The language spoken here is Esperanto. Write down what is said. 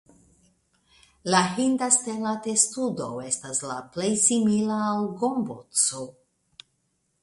La hinda stela testudo estas la plej simila al gomboco.